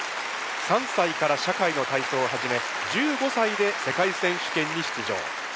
３歳から社会の体操を始め１５歳で世界選手権に出場。